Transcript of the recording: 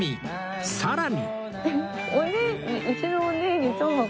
さらに